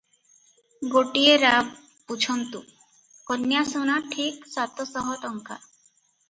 ଗୋଟିଏ ରା - ବୁଝନ୍ତୁ, କନ୍ୟାସୁନା ଠିକ ସାତ ଶହ ଟଙ୍କା ।